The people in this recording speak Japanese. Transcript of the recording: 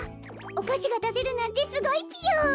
おかしがだせるなんてすごいぴよ。